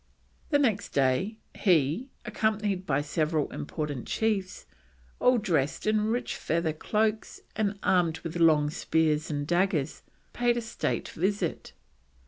The next day he, accompanied by several important chiefs, all dressed in rich feather cloaks and armed with long spears and daggers, paid a state visit.